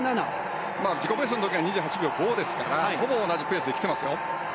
自己ベストは２８秒５ですからほぼ同じペースですよ。